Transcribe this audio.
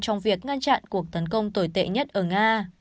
trong việc ngăn chặn cuộc tấn công tồi tệ nhất ở nga